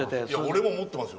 俺も持ってますよ